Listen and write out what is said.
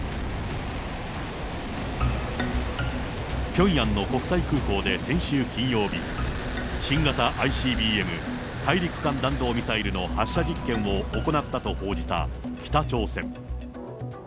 ピョンヤンの国際空港で先週金曜日、新型ＩＣＢＭ・大陸間弾道ミサイルの発射実験を行ったと報じた、北朝鮮。